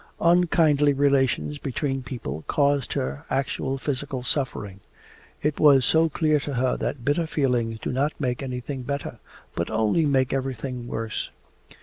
Unkindly relations between people caused her actual physical suffering. It was so clear to her that bitter feelings do not make anything better, but only make everything worse.